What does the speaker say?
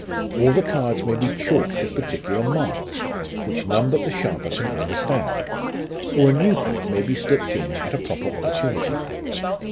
Or the cards may be chalked with particular marks, which none but the sharper can understand, or a new pack may be slipped in at a proper opportunity.